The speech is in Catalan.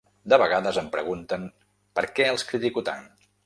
De vegades em pregunten per què els critico tant.